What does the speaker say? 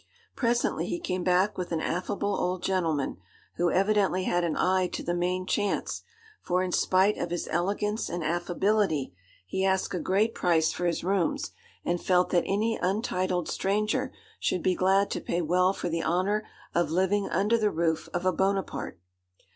Presently he came back with an affable old gentleman, who evidently had an eye to the main chance; for, in spite of his elegance and affability, he asked a great price for his rooms, and felt that any untitled stranger should be glad to pay well for the honour of living under the roof of a Buonaparte.